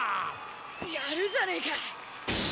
やるじゃねえか。